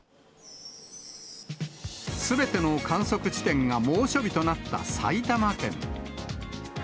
すべての観測地点が猛暑日となった埼玉県。